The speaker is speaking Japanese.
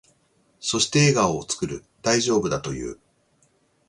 そして、笑顔を作る。大丈夫だと言う。